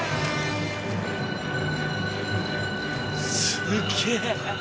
すっげえ。